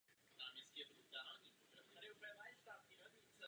Jednotlivé částice roztoku nejsou viditelné pouhým okem.